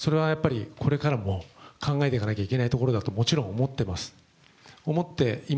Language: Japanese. それはこれからも考えていかなきゃならないところだともちろん思っています。